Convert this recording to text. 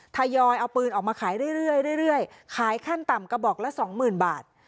ทยอยเอาปืนออกมาขายเรื่อยเรื่อยเรื่อยเรื่อยขายขั้นต่ำกระบอกละสองหมื่นบาท